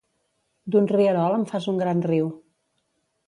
D'un rierol, en fas un gran riu.